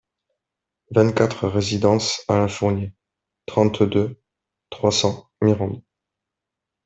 vingt-quatre résidence Alain Fournier, trente-deux, trois cents, Mirande